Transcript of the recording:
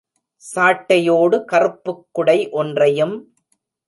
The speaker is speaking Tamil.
சாட்டையோடு, கறுப்புக் குடை ஒன்றையும்.